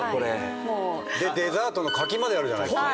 デザートの柿まであるじゃないですか。